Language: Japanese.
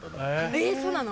えそうなの。